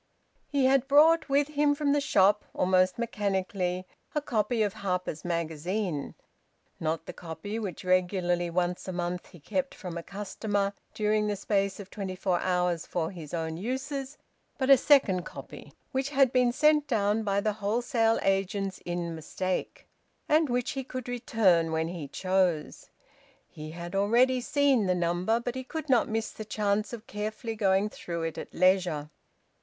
He had brought with him from the shop, almost mechanically, a copy of "Harper's Magazine," not the copy which regularly once a month he kept from a customer during the space of twenty four hours for his own uses, but a second copy which had been sent down by the wholesale agents in mistake, and which he could return when he chose. He had already seen the number, but he could not miss the chance of carefully going through it at leisure.